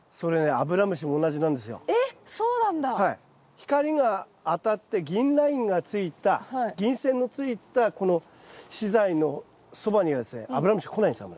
光が当たって銀ラインがついた銀線のついたこの資材のそばにはですねアブラムシ来ないんですよ